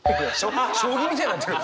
将棋みたいになってる！